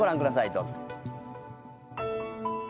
どうぞ。